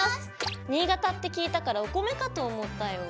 新潟って聞いたからお米かと思ったよ！